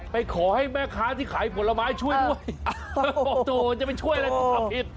ขอให้แม่ค้าที่ขายผลไม้ช่วยด้วยบอกโจจะไปช่วยอะไรก็ทำผิด